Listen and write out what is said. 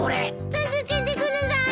助けてください！